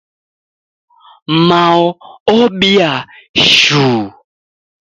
Mao obia shuu